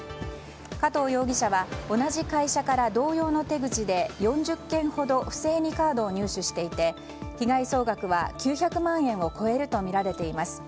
加藤容疑者は同じ会社から同様の手口で４０件ほど不正にカードを入手していて被害総額は９００万円を超えるとみられています。